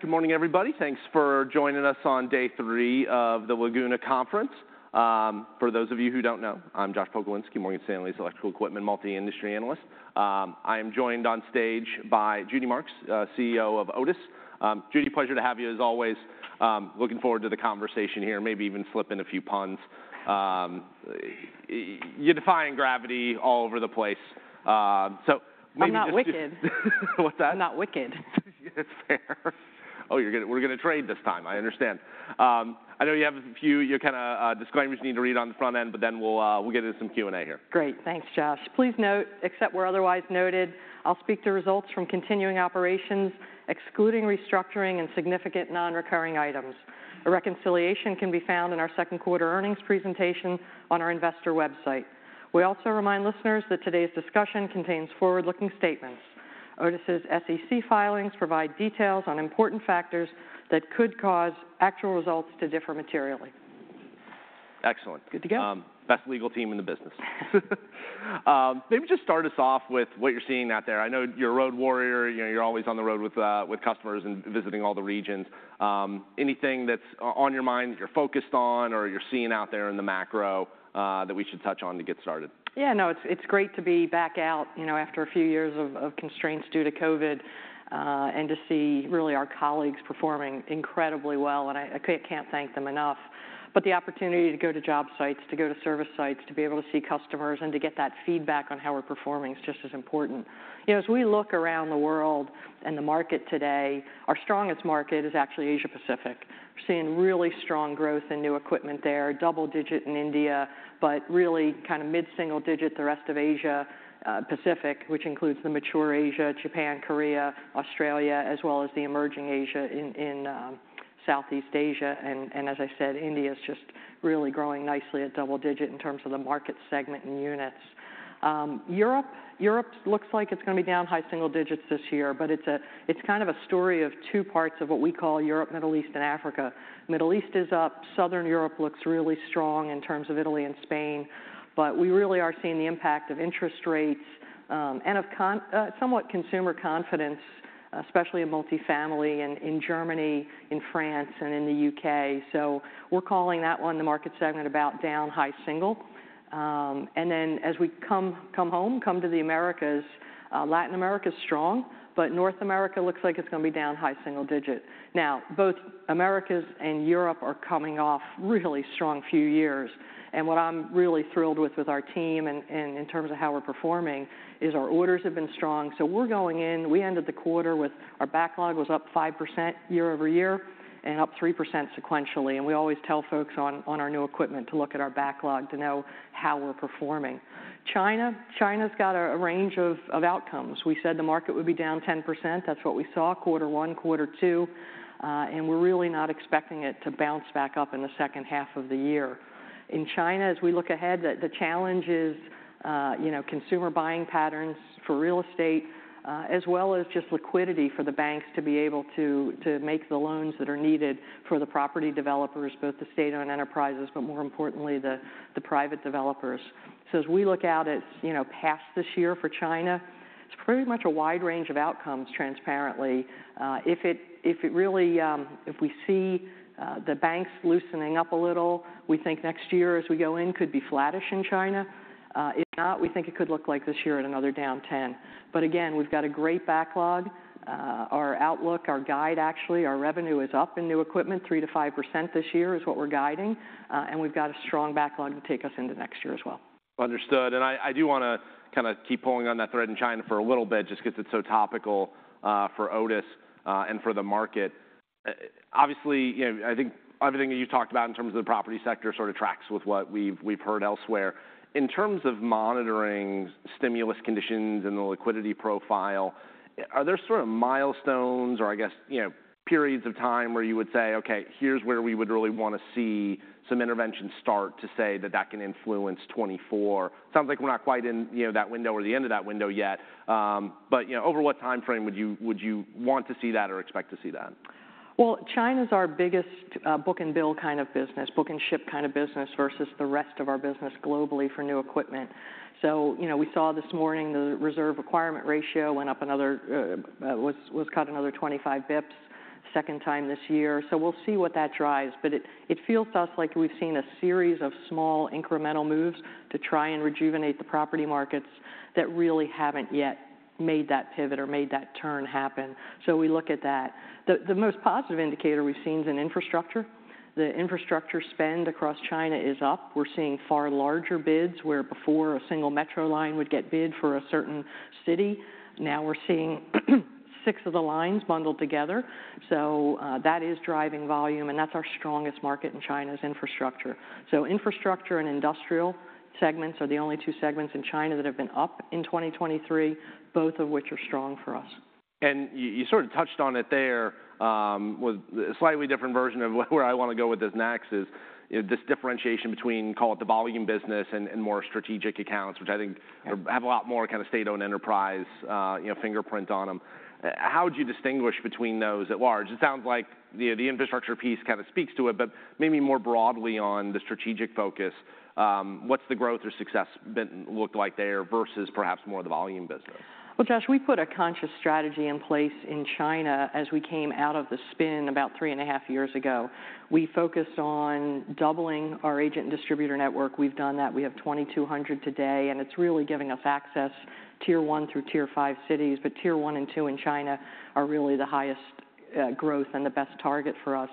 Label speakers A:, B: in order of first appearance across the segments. A: Good morning, everybody. Thanks for joining us on day three of the Laguna Conference. For those of you who don't know, I'm Josh Pokrzywinski, Morgan Stanley's Electrical Equipment Multi-Industry Analyst. I am joined on stage by Judy Marks, CEO of Otis. Judy, pleasure to have you as always. Looking forward to the conversation here, maybe even slip in a few puns. You're defying gravity all over the place. So-
B: I'm not wicked.
A: What's that?
B: I'm not wicked.
A: That's fair. Oh, you're gonna- we're gonna trade this time. I understand. I know you have a few, you kinda, disclaimers you need to read on the front end, but then we'll, we'll get into some Q&A here.
B: Great. Thanks, Josh. Please note, except where otherwise noted, I'll speak to results from continuing operations, excluding restructuring and significant non-recurring items. A reconciliation can be found in our second quarter earnings presentation on our investor website. We also remind listeners that today's discussion contains forward-looking statements. Otis' SEC filings provide details on important factors that could cause actual results to differ materially.
A: Excellent.
B: Good to go?
A: Best legal team in the business. Maybe just start us off with what you're seeing out there. I know you're a road warrior, you know, you're always on the road with, with customers and visiting all the regions. Anything that's on your mind, that you're focused on, or you're seeing out there in the macro, that we should touch on to get started?
B: Yeah, no, it's, it's great to be back out, you know, after a few years of, of constraints due to COVID, and to see really our colleagues performing incredibly well, and I, I ca- can't thank them enough. But the opportunity to go to job sites, to go to service sites, to be able to see customers, and to get that feedback on how we're performing is just as important. You know, as we look around the world and the market today, our strongest market is actually Asia-Pacific. We're seeing really strong growth in new equipment there, double-digit in India, but really kind of mid-single-digit, the rest of Asia Pacific, which includes the mature Asia, Japan, Korea, Australia, as well as the emerging Asia in Southeast Asia. As I said, India is just really growing nicely at double-digit in terms of the market segment and units. Europe looks like it's gonna be down high single digits this year, but it's kind of a story of two parts of what we call Europe, Middle East, and Africa. Middle East is up, Southern Europe looks really strong in terms of Italy and Spain, but we really are seeing the impact of interest rates and of somewhat consumer confidence, especially in multifamily and in Germany, in France, and in the U.K. So we're calling that one, the market segment, about down high single. And then as we come to the Americas, Latin America is strong, but North America looks like it's gonna be down high single digit. Now, both Americas and Europe are coming off really strong few years, and what I'm really thrilled with, with our team and in terms of how we're performing, is our orders have been strong. So we're going in, we ended the quarter with our backlog was up 5% year-over-year, and up 3% sequentially. We always tell folks on our new equipment to look at our backlog to know how we're performing. China, China's got a range of outcomes. We said the market would be down 10%. That's what we saw quarter one, quarter two, and we're really not expecting it to bounce back up in the second half of the year. In China, as we look ahead, the challenge is, you know, consumer buying patterns for real estate, as well as just liquidity for the banks to be able to make the loans that are needed for the property developers, both the state-owned enterprises, but more importantly, the private developers. So as we look out at, you know, past this year for China, it's pretty much a wide range of outcomes transparently. If we see the banks loosening up a little, we think next year as we go in could be flattish in China. If not, we think it could look like this year at another down 10%. But again, we've got a great backlog. Our outlook, our guide, actually, our revenue is up in new equipment 3%-5% this year is what we're guiding, and we've got a strong backlog to take us into next year as well.
A: Understood. I do wanna kinda keep pulling on that thread in China for a little bit, just 'cause it's so topical, for Otis, and for the market. Obviously, you know, I think everything that you've talked about in terms of the property sector sort of tracks with what we've heard elsewhere. In terms of monitoring stimulus conditions and the liquidity profile, are there sort of milestones or, I guess, you know, periods of time where you would say, "Okay, here's where we would really wanna see some intervention start to say that that can influence 2024?" Sounds like we're not quite in, you know, that window or the end of that window yet, but, you know, over what time frame would you want to see that or expect to see that?
B: Well, China's our biggest book and bill kind of business, book and ship kind of business versus the rest of our business globally for new equipment. So, you know, we saw this morning the reserve requirement ratio went up another, was cut another 25 basis points, second time this year. So we'll see what that drives, but it feels to us like we've seen a series of small incremental moves to try and rejuvenate the property markets that really haven't yet made that pivot or made that turn happen. So we look at that. The most positive indicator we've seen is in infrastructure. The infrastructure spend across China is up. We're seeing far larger bids, where before a single metro line would get bid for a certain city, now we're seeing six of the lines bundled together. So, that is driving volume, and that's our strongest market in China's infrastructure. So infrastructure and industrial segments are the only two segments in China that have been up in 2023, both of which are strong for us.
A: You sort of touched on it there, with a slightly different version of where I wanna go with this next is, this differentiation between, call it the volume business and more strategic accounts, which I think-
B: Yeah
A: Have a lot more kind of State-owned enterprise, you know, fingerprint on them. How would you distinguish between those at large? It sounds like the infrastructure piece kind of speaks to it, but maybe more broadly on the strategic focus, what's the growth or success been looked like there versus perhaps more the volume business?
B: Well, Josh, we put a conscious strategy in place in China as we came out of the spin about three and a half years ago. We focused on doubling our agent and distributor network. We've done that. We have 2,200 today, and it's really giving us access Tier One through Tier Five cities, but Tier One and Two in China are really the highest growth and the best target for us.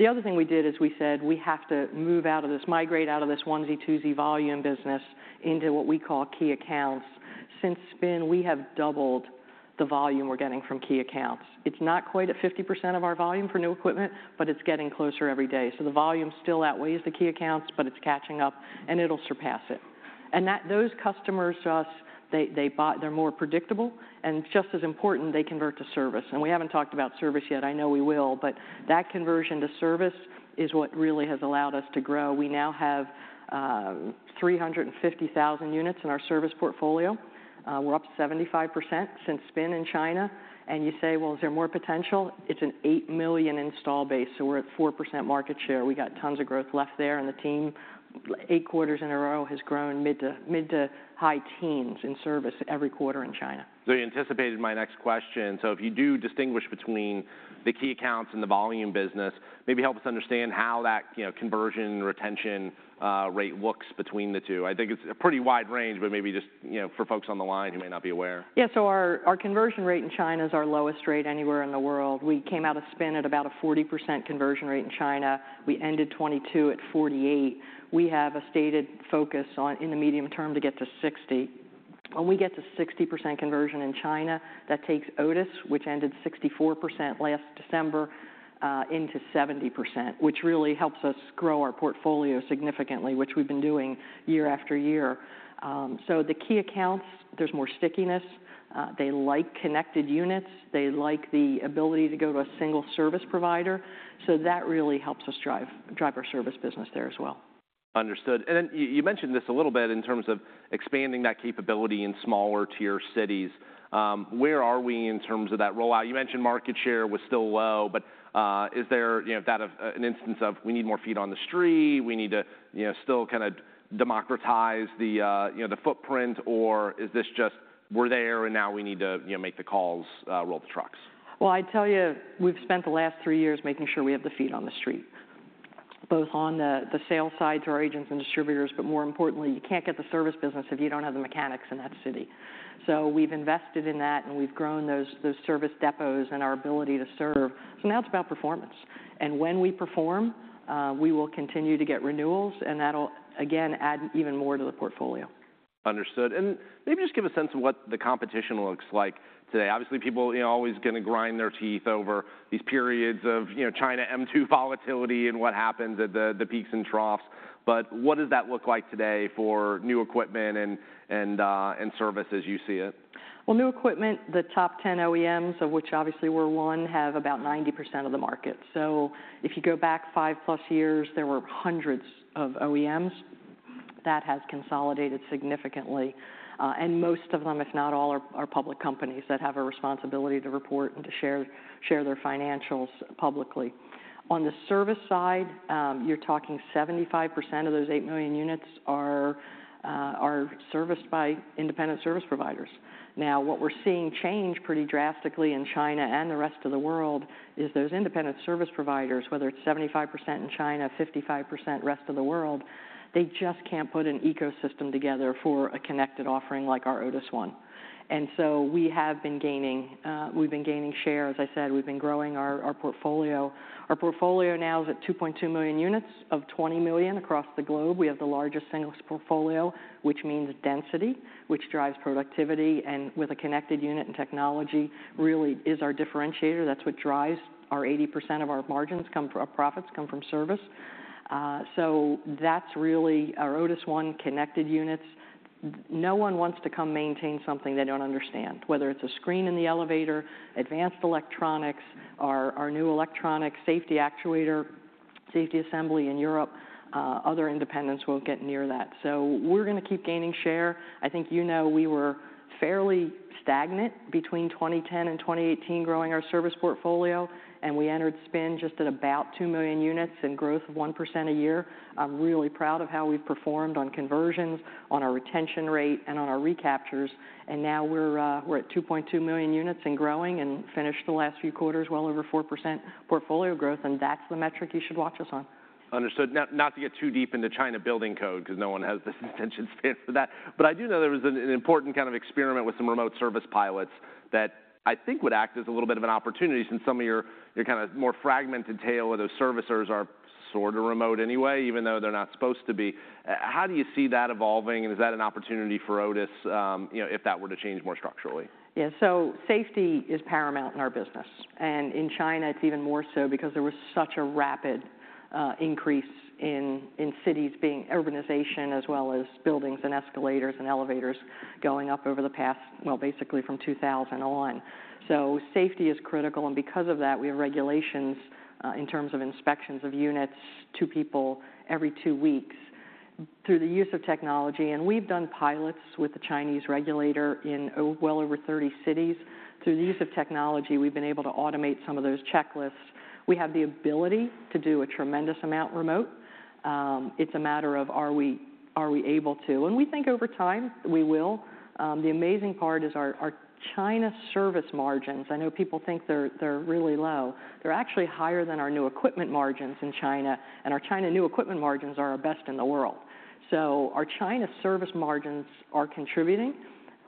B: The other thing we did is we said we have to move out of this, migrate out of this onesie-twosie volume business into what we call Key Accounts. Since spin, we have doubled the volume we're getting from Key Accounts. It's not quite at 50% of our volume for new equipment, but it's getting closer every day. So the volume still outweighs the Key Accounts, but it's catching up, and it'll surpass it. And those customers to us, they, they bought... They're more predictable, and just as important, they convert to service. And we haven't talked about service yet. I know we will, but that conversion to service is what really has allowed us to grow. We now have 350,000 units in our service portfolio. We're up 75% since spin in China. And you say, "Well, is there more potential?" It's an 8 million installed base, so we're at 4% market share. We got tons of growth left there, and the team, 8 quarters in a row, has grown mid- to high-teens in service every quarter in China.
A: So you anticipated my next question. So if you do distinguish between the Key Accounts and the volume business, maybe help us understand how that, you know, conversion retention rate looks between the two. I think it's a pretty wide range, but maybe just, you know, for folks on the line who may not be aware.
B: Yeah. So our conversion rate in China is our lowest rate anywhere in the world. We came out of spin at about a 40% conversion rate in China. We ended 2022 at 48. We have a stated focus on, in the medium term to get to 60. When we get to 60% conversion in China, that takes Otis, which ended 64% last December, into 70%, which really helps us grow our portfolio significantly, which we've been doing year after year. So the Key Accounts, there's more stickiness. They like connected units. They like the ability to go to a single service provider, so that really helps us drive our service business there as well.
A: Understood. And then you mentioned this a little bit in terms of expanding that capability in smaller-tier cities. Where are we in terms of that rollout? You mentioned market share was still low, but is there, you know, that of an instance of we need more feet on the street, we need to, you know, still kinda democratize the, you know, the footprint, or is this just we're there and now we need to, you know, make the calls, roll the trucks?
B: Well, I'd tell you, we've spent the last three years making sure we have the feet on the street, both on the sales side to our agents and distributors, but more importantly, you can't get the service business if you don't have the mechanics in that city. So we've invested in that, and we've grown those service depots and our ability to serve, so now it's about performance. And when we perform, we will continue to get renewals, and that'll, again, add even more to the portfolio.
A: Understood. And maybe just give a sense of what the competition looks like today. Obviously, people, you know, are always gonna grind their teeth over these periods of, you know, China M2 volatility and what happens at the, the peaks and troughs, but what does that look like today for new equipment and service as you see it?
B: Well, new equipment, the top ten OEMs, of which obviously we're one, have about 90% of the market. So if you go back 5+ years, there were hundreds of OEMs. That has consolidated significantly, and most of them, if not all, are public companies that have a responsibility to report and to share their financials publicly. On the service side, you're talking 75% of those 8 million units are serviced by independent service providers. Now, what we're seeing change pretty drastically in China and the rest of the world is those independent service providers, whether it's 75% in China, 55% rest of the world, they just can't put an ecosystem together for a connected offering like our Otis ONE. And so we have been gaining share. As I said, we've been growing our portfolio. Our portfolio now is at 2.2 million units of 20 million across the globe. We have the largest singles portfolio, which means density, which drives productivity, and with a connected unit and technology, really is our differentiator. That's what drives our 80% of our margins come from. Our profits come from service. So that's really our Otis ONE connected units. No one wants to come maintain something they don't understand, whether it's a screen in the elevator, advanced electronics, our new electronic safety actuator, safety assembly in Europe, other independents won't get near that. So we're gonna keep gaining share. I think you know, we were fairly stagnant between 2010 and 2018, growing our service portfolio, and we entered spin just at about 2 million units and growth of 1% a year. I'm really proud of how we've performed on conversions, on our retention rate, and on our recaptures, and now we're at 2.2 million units and growing and finished the last few quarters well over 4% portfolio growth, and that's the metric you should watch us on.
A: Understood. Not to get too deep into China building code, 'cause no one has the attention span for that, but I do know there was an important kind of experiment with some remote service pilots that I think would act as a little bit of an opportunity since some of your kind of more fragmented tail, or those servicers are sort of remote anyway, even though they're not supposed to be. How do you see that evolving, and is that an opportunity for Otis, you know, if that were to change more structurally?
B: Yeah. So safety is paramount in our business, and in China, it's even more so because there was such a rapid increase in cities being urbanization as well as buildings and escalators and elevators going up over the past - well, basically from 2000 on. So safety is critical, and because of that, we have regulations in terms of inspections of units by two people every two weeks. Through the use of technology, and we've done pilots with the Chinese regulator in well over 30 cities. Through the use of technology, we've been able to automate some of those checklists. We have the ability to do a tremendous amount remotely. It's a matter of are we able to? And we think over time, we will. The amazing part is our China service margins. I know people think they're really low. They're actually higher than our new equipment margins in China, and our China new-equipment margins are our best in the world. So our China service margins are contributing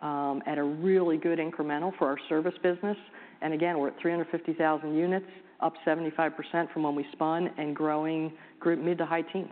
B: at a really good incremental for our service business, and again, we're at 350,000 units, up 75% from when we spun and growing mid- to high-teens.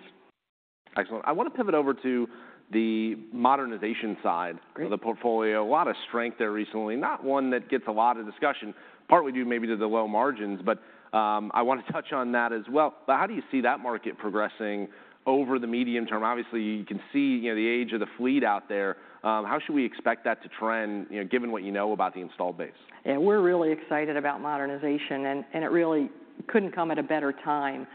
A: Excellent. I want to pivot over to the modernization side.
B: Great
A: Of the portfolio. A lot of strength there recently. Not one that gets a lot of discussion, partly due maybe to the low margins, but, I want to touch on that as well. But how do you see that market progressing over the medium term? Obviously, you can see, you know, the age of the fleet out there. How should we expect that to trend, you know, given what you know about the installed base?
B: Yeah, we're really excited about modernization, and, and it really couldn't come at a better time.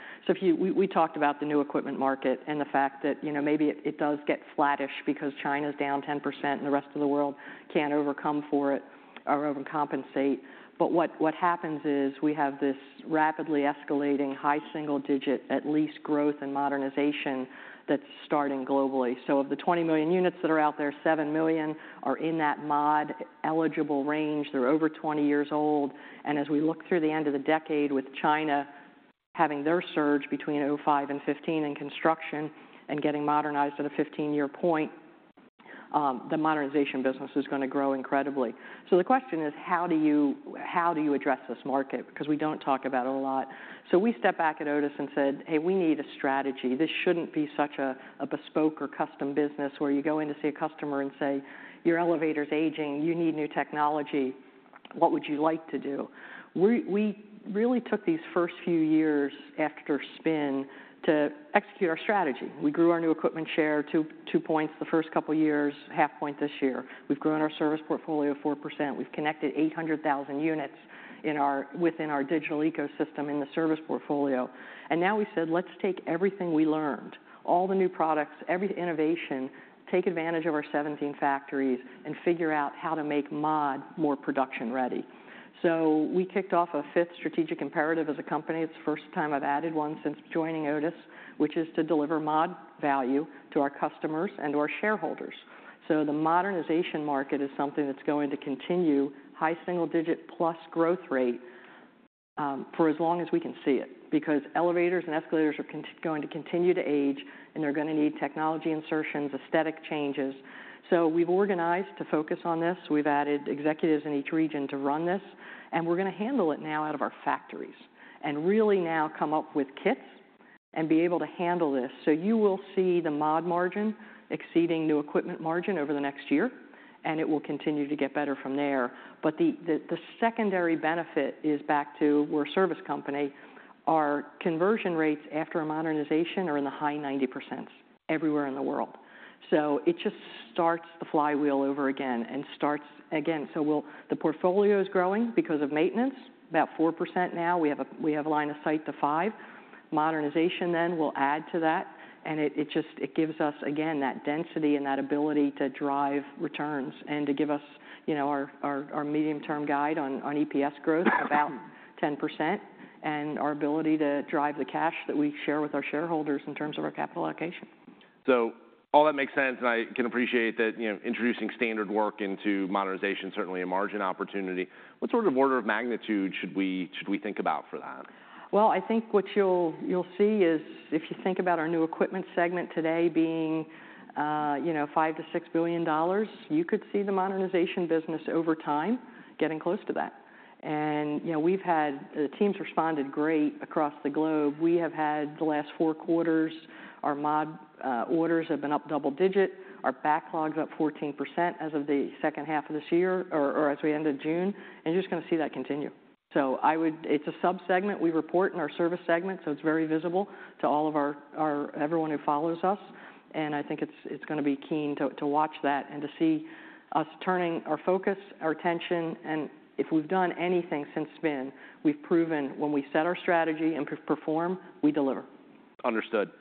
B: We talked about the new equipment market and the fact that, you know, maybe it does get flattish because China's down 10% and the rest of the world can't overcome for it or overcompensate. But what happens is we have this rapidly escalating, high single digit, at least, growth in modernization that's starting globally. So of the 20 million units that are out there, 7 million are in that MOD-eligible range. They're over 20 years old, and as we look through the end of the decade with China having their surge between 2005 and 2015 in construction and getting modernized at a 15-year point, the modernization business is gonna grow incredibly. So the question is: How do you, how do you address this market? Because we don't talk about it a lot. So we stepped back at Otis and said, "Hey, we need a strategy. This shouldn't be such a, a bespoke or custom business where you go in to see a customer and say, 'Your elevator's aging, you need new technology. What would you like to do?'" We, we really took these first few years after spin to execute our strategy. We grew our new equipment share two, two points the first couple of years, half point this year. We've grown our service portfolio 4%. We've connected 800,000 units within our digital ecosystem in the service portfolio. And now we said, "Let's take everything we learned, all the new products, every innovation, take advantage of our 17 factories and figure out how to make MOD more production-ready." So we kicked off a fifth strategic imperative as a company. It's the first time I've added one since joining Otis, which is to deliver MOD value to our customers and to our shareholders. So the modernization market is something that's going to continue high single-digit + growth rate, for as long as we can see it, because elevators and escalators are going to continue to age, and they're gonna need technology insertions, aesthetic changes. So we've organized to focus on this. We've added executives in each region to run this, and we're gonna handle it now out of our factories, and really now come up with kits and be able to handle this. So you will see the MOD margin exceeding new equipment margin over the next year, and it will continue to get better from there. But the secondary benefit is back to we're a service company. Our conversion rates after a modernization are in the high 90%s everywhere in the world. So it just starts the flywheel over again and starts again. So the portfolio is growing because of maintenance, about 4% now. We have a line of sight to 5. Modernization then will add to that, and it just gives us, again, that density and that ability to drive returns and to give us, you know, our, our, our medium-term guide on, on EPS growth about 10%, and our ability to drive the cash that we share with our shareholders in terms of our capital allocation.
A: So all that makes sense, and I can appreciate that, you know, introducing standard work into modernization, certainly a margin opportunity. What sort of order of magnitude should we, should we think about for that?
B: Well, I think what you'll, you'll see is if you think about our new equipment segment today being, you know, $5 billion-$6 billion, you could see the modernization business over time getting close to that. And, you know, we've had...the teams responded great across the globe. We have had, the last four quarters, our MOD orders have been up double-digit. Our backlog's up 14% as of the second half of this year or as we ended June, and you're just gonna see that continue. So it's a subsegment we report in our service segment, so it's very visible to all of our everyone who follows us, and I think it's gonna be keen to watch that and to see us turning our focus, our attention, and if we've done anything since spin, we've proven when we set our strategy and perform, we deliver.
A: Understood.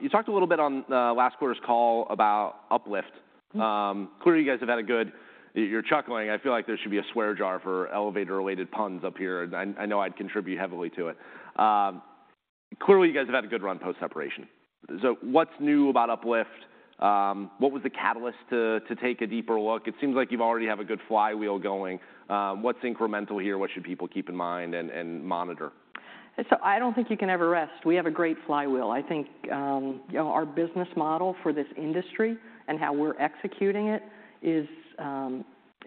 A: You talked a little bit on last quarter's call about Uplift.
B: Mm-hmm.
A: You're chuckling. I feel like there should be a swear jar for elevator-related puns up here, and I know I'd contribute heavily to it. Clearly, you guys have had a good run post-separation. So what's new about Uplift? What was the catalyst to take a deeper look? It seems like you already have a good flywheel going. What's incremental here? What should people keep in mind and monitor?
B: So I don't think you can ever rest. We have a great flywheel. I think, you know, our business model for this industry and how we're executing it is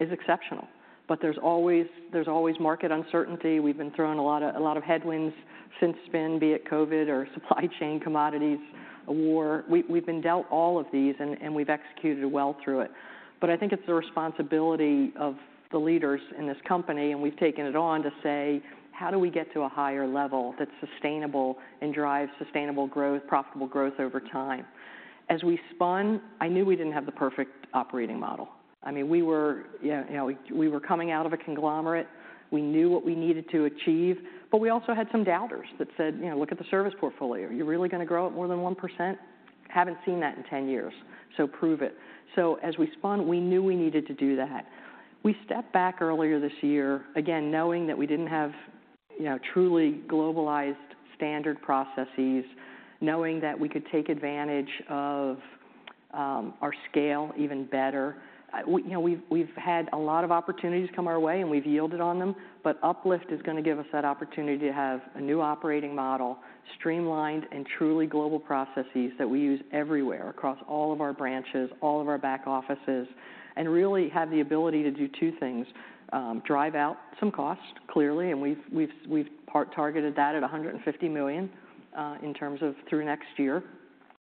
B: exceptional, but there's always, there's always market uncertainty. We've been thrown a lot of, a lot of headwinds since spin, be it COVID or supply chain commodities, a war. We, we've been dealt all of these, and, and we've executed well through it. But I think it's the responsibility of the leaders in this company, and we've taken it on to say: How do we get to a higher level that's sustainable and drives sustainable growth, profitable growth over time? As we spun, I knew we didn't have the perfect operating model. I mean, we were, yeah, you know, we were coming out of a conglomerate. We knew what we needed to achieve, but we also had some doubters that said: "You know, look at the service portfolio. You're really gonna grow it more than 1%? Haven't seen that in 10 years, so prove it." So as we spun, we knew we needed to do that. We stepped back earlier this year, again, knowing that we didn't have, you know, truly globalized standard processes, knowing that we could take advantage of our scale even better. We, you know, we've had a lot of opportunities come our way, and we've yielded on them, but Uplift is gonna give us that opportunity to have a new operating model, streamlined and truly global processes that we use everywhere, across all of our branches, all of our back offices, and really have the ability to do two things: drive out some costs, clearly, and we've part-targeted that at $150 million in terms of through next year.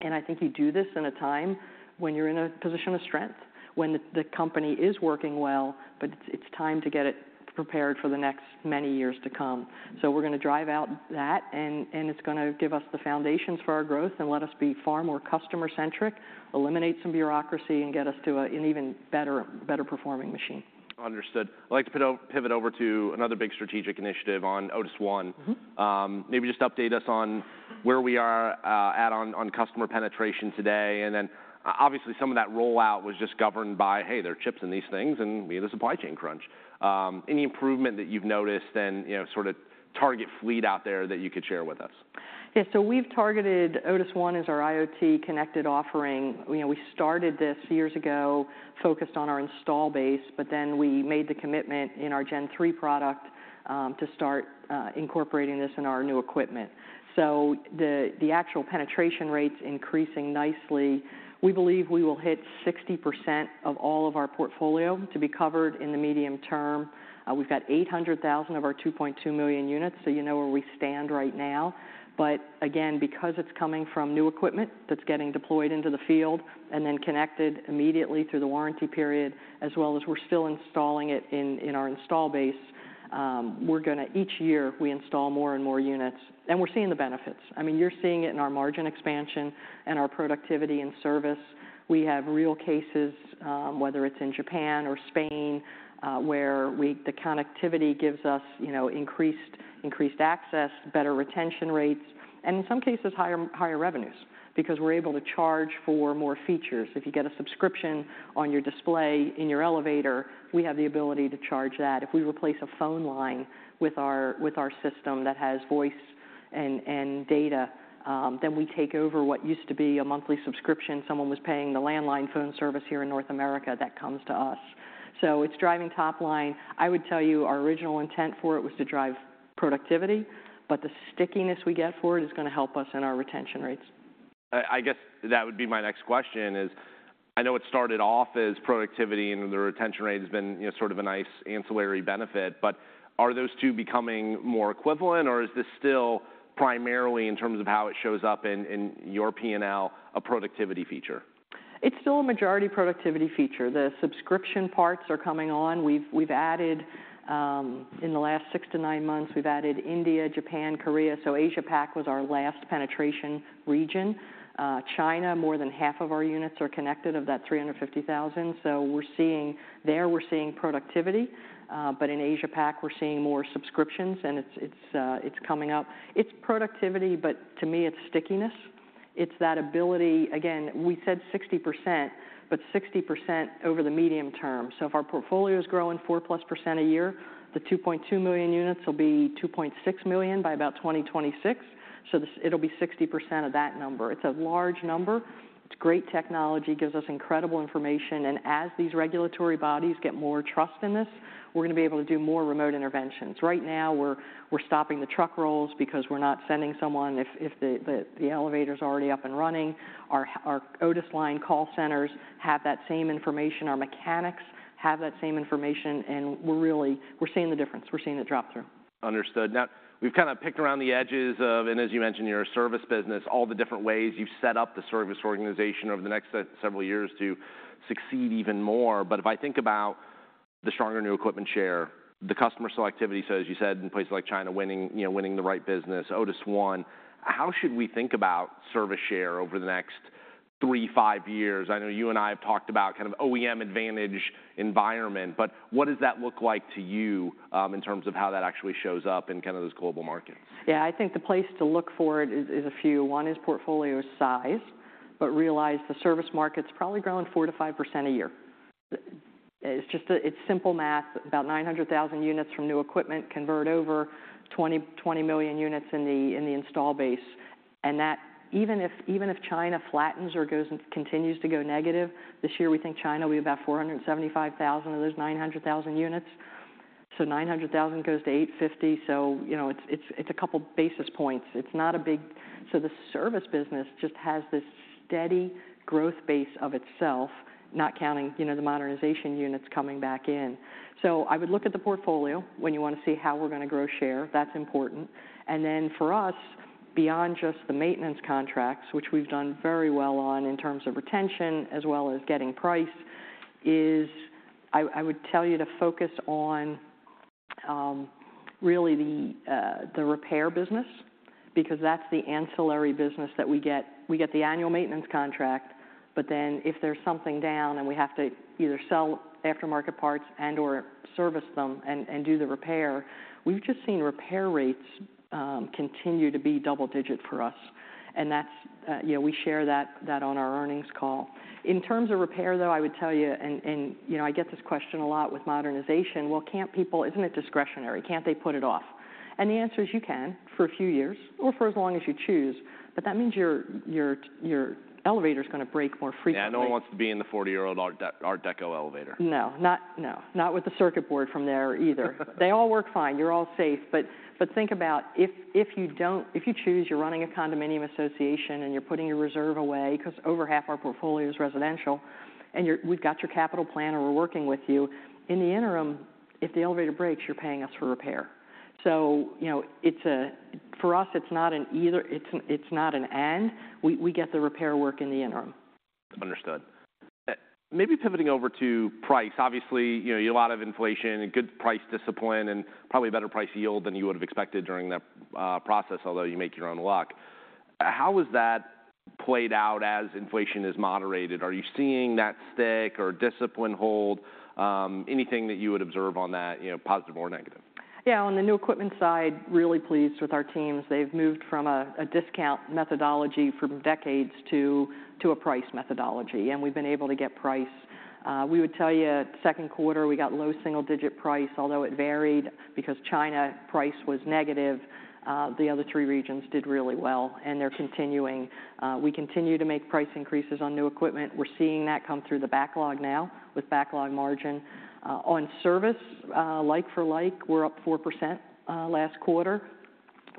B: And I think you do this in a time when you're in a position of strength, when the company is working well, but it's time to get it prepared for the next many years to come. So we're gonna drive out that, and it's gonna give us the foundations for our growth and let us be far more customer-centric, eliminate some bureaucracy, and get us to an even better performing machine.
A: Understood. I'd like to pivot over to another big strategic initiative on Otis ONE.
B: Mm-hmm.
A: Maybe just update us on where we are at on customer penetration today, and then obviously, some of that rollout was just governed by, hey, there are chips in these things, and we have a supply chain crunch. Any improvement that you've noticed then, you know, sort of target fleet out there that you could share with us?
B: Yeah, so we've targeted Otis ONE as our IoT-connected offering. You know, we started this years ago, focused on our install base, but then we made the commitment in our Gen3 product to start incorporating this in our new equipment. So the actual penetration rate's increasing nicely. We believe we will hit 60% of all of our portfolio to be covered in the medium term. We've got 800,000 of our 2.2 million units, so you know where we stand right now. But again, because it's coming from new equipment that's getting deployed into the field and then connected immediately through the warranty period, as well as we're still installing it in our install base, we're gonna each year, we install more and more units, and we're seeing the benefits. I mean, you're seeing it in our margin expansion and our productivity and service. We have real cases, whether it's in Japan or Spain, where we the connectivity gives us, you know, increased, increased access, better retention rates, and in some cases, higher, higher revenues because we're able to charge for more features. If you get a subscription on your display in your elevator, we have the ability to charge that. If we replace a phone line with our, with our system that has voice and, and data, then we take over what used to be a monthly subscription. Someone was paying the landline phone service here in North America; that comes to us. So it's driving top line. I would tell you our original intent for it was to drive productivity, but the stickiness we get for it is gonna help us in our retention rates.
A: I guess that would be my next question is, I know it started off as productivity, and the retention rate has been, you know, sort of a nice ancillary benefit, but are those two becoming more equivalent, or is this still primarily, in terms of how it shows up in, in your PNL, a productivity feature?
B: It's still a majority productivity feature. The subscription parts are coming on. We've, we've added, in the last six to nine months, we've added India, Japan, Korea, so Asia Pac was our last penetration region. China, more than half of our units are connected of that 350,000. So we're seeing. We're seeing productivity, but in Asia Pac, we're seeing more subscriptions, and it's, it's, it's coming up. It's productivity, but to me, it's stickiness. It's that ability—again, we said 60%, but 60% over the medium term. So if our portfolio is growing 4%+ a year, the 2.2 million units will be 2.6 million by about 2026. So this, it'll be 60% of that number. It's a large number. It's great technology, gives us incredible information, and as these regulatory bodies get more trust in this, we're gonna be able to do more remote interventions. Right now, we're stopping the truck rolls because we're not sending someone if the elevator's already up and running. Our OTISLINE call centers have that same information, our mechanics have that same information, and we're really seeing the difference. We're seeing it drop through.
A: Understood. Now, we've kind of picked around the edges of, and as you mentioned, your service business, all the different ways you've set up the service organization over the next several years to succeed even more. But if I think about the stronger new equipment share, the customer selectivity, so as you said, in places like China, winning, you know, winning the right business, Otis ONE, how should we think about service share over the next three to five years? I know you and I have talked about kind of OEM advantage environment, but what does that look like to you, in terms of how that actually shows up in kind of those global markets?
B: Yeah, I think the place to look for it is a few. One is portfolio size, but realize the service market's probably growing 4%-5% a year. It's just it's simple math, about 900,000 units from new equipment convert over 20 million units in the, in the install base. And that even if China flattens or goes, continues to go negative, this year we think China, we have about 475,000 of those 900,000 units. So 900,000 goes to 850,000. So, you know, it's a couple of basis points. It's not a big... do the service business just has this steady growth base of itself, not counting, you know, the modernization units coming back in. So I would look at the Portfolio when you want to see how we're gonna grow share. That's important. And then for us, beyond just the maintenance contracts, which we've done very well on in terms of retention as well as getting price, is I would tell you to focus on really the repair business, because that's the ancillary business that we get. We get the annual maintenance contract but then if there's something down, and we have to either sell aftermarket parts and/or service them and do the repair, we've just seen repair rates continue to be double digit for us, and that's you know we share that on our earnings call. In terms of repair, though, I would tell you and you know I get this question a lot with Modernization: "Well, can't people-- Isn't it discretionary? Can't they put it off?" The answer is, you can, for a few years or for as long as you choose, but that means your elevator's gonna break more frequently.
A: Yeah, no one wants to be in the 40-year-old art deco elevator.
B: No, not with a circuit board from there either. They all work fine. You're all safe. But think about if you don't. If you choose, you're running a condominium association, and you're putting your reserve away, 'cause over half our portfolio is residential, and we've got your capital plan, and we're working with you. In the interim, if the elevator breaks, you're paying us for repair. So, you know, it's not an either. For us, it's not an and. We get the repair work in the interim.
A: Understood. Maybe pivoting over to price. Obviously, you know, you have a lot of inflation and good price discipline and probably a better price yield than you would've expected during that process, although you make your own luck. How has that played out as inflation has moderated? Are you seeing that stick or discipline hold? Anything that you would observe on that, you know, positive or negative?
B: Yeah, on the new equipment side, really pleased with our teams. They've moved from a discount methodology for decades to a price methodology, and we've been able to get price. We would tell you, second quarter, we got low single-digit price, although it varied because China price was negative. The other three regions did really well, and they're continuing. We continue to make price increases on new equipment. We're seeing that come through the backlog now with backlog margin. On service, like for like, we're up 4%, last quarter.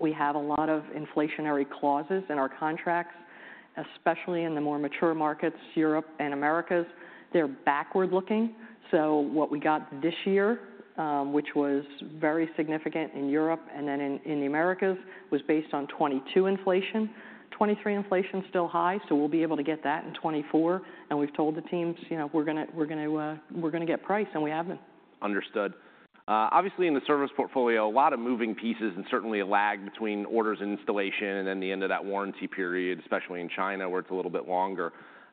B: We have a lot of inflationary clauses in our contracts, especially in the more mature markets, Europe and Americas. They're backward-looking, so what we got this year, which was very significant in Europe and then in the Americas, was based on 2022 inflation. 2023 inflation is still high, so we'll be able to get that in 2024, and we've told the teams, you know, we're gonna, we're gonna, we're gonna get price, and we have it.
A: Understood. Obviously, in the service portfolio, a lot of moving pieces and certainly a lag between orders and installation and then the end of that warranty period, especially in China, where it's a little bit longer.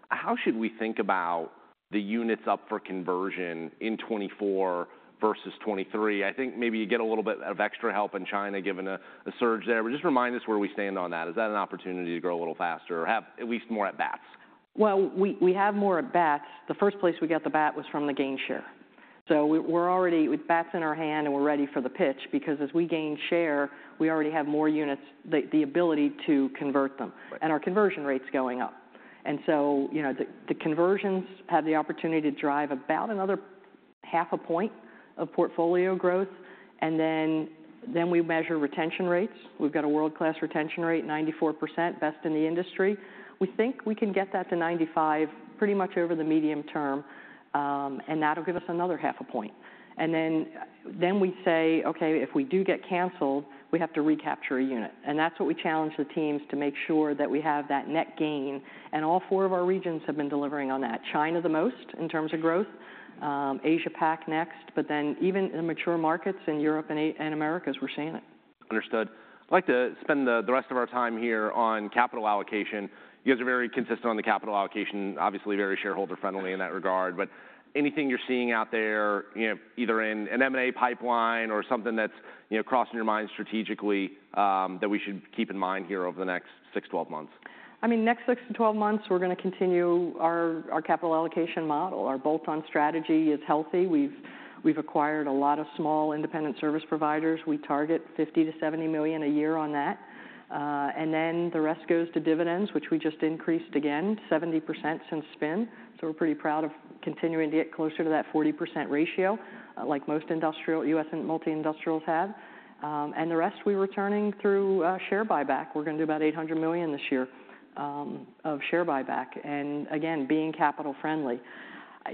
A: How should we think about the units up for conversion in 2024 versus 2023? I think maybe you get a little bit of extra help in China, given the surge there. But just remind us where we stand on that. Is that an opportunity to grow a little faster or have at least more at-bats?
B: Well, we have more at-bats. The first place we got the bat was from the gain share. So we're already with bats in our hand, and we're ready for the pitch because as we gain share, we already have more units, the ability to convert them.
A: Right.
B: Our conversion rate's going up. So, you know, the conversions have the opportunity to drive about another half a point of portfolio growth, and then we measure retention rates. We've got a world-class retention rate, 94%, best in the industry. We think we can get that to 95 pretty much over the medium term, and that'll give us another half a point. And then we say, "Okay, if we do get canceled, we have to recapture a unit." And that's what we challenge the teams to make sure that we have that net gain, and all four of our regions have been delivering on that. China the most, in terms of growth, Asia Pac next, but then even in the mature markets in Europe and Americas, we're seeing it.
A: Understood. I'd like to spend the rest of our time here on capital allocation. You guys are very consistent on the capital allocation, obviously very shareholder-friendly in that regard. But anything you're seeing out there, you know, either in an M&A pipeline or something that's, you know, crossing your mind strategically, that we should keep in mind here over the next six to 12 months?
B: I mean, next six to 12 months, we're gonna continue our capital allocation model. Our bolt-on strategy is healthy. We've acquired a lot of small independent service providers. We target $50 million-$70 million a year on that, and then the rest goes to dividends, which we just increased again, 70% since spin. So we're pretty proud of continuing to get closer to that 40% ratio, like most industrial, U.S. and multi-industrials have. And the rest we're returning through share buyback. We're gonna do about $800 million this year of share buyback, and again, being capital friendly.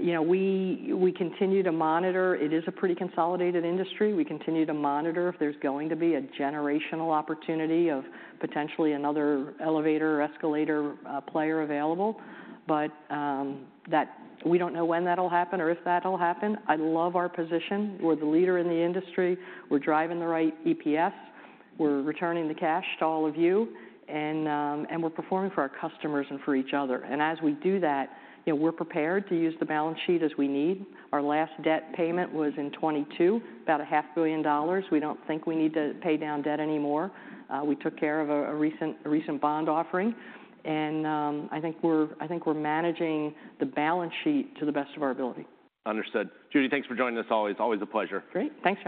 B: You know, we continue to monitor. It is a pretty consolidated industry. We continue to monitor if there's going to be a generational opportunity of potentially another elevator or escalator player available. But, that—we don't know when that'll happen or if that'll happen. I love our position. We're the leader in the industry. We're driving the right EPS. We're returning the cash to all of you, and we're performing for our customers and for each other. And as we do that, you know, we're prepared to use the balance sheet as we need. Our last debt payment was in 2022, about $500 million. We don't think we need to pay down debt anymore. We took care of a recent bond offering, and I think we're managing the balance sheet to the best of our ability.
A: Understood. Judy, thanks for joining us, always. Always a pleasure.
B: Great! Thanks.